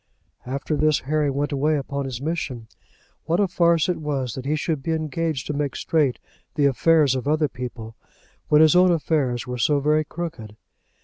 After this Harry went away upon his mission. What a farce it was that he should be engaged to make straight the affairs of other people, when his own affairs were so very crooked!